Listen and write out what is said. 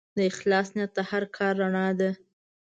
د اخلاص نیت د هر کار رڼا ده.